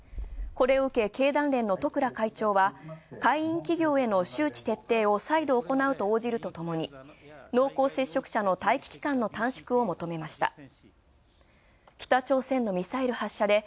これを受け、経団連の十倉会長は会員企業への周知徹底を再度行うとともに濃厚接触者の待機期間の短縮を求めました。